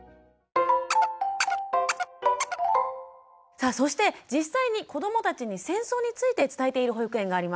さあそして実際に子どもたちに戦争について伝えている保育園があります。